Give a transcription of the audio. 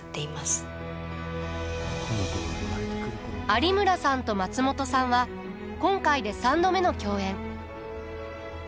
有村さんと松本さんは今回で３度目の共演。